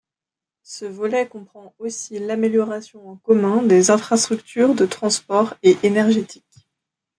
Ce volet comprend aussi l'amélioration en commun des infrastructures de transport et énergétique.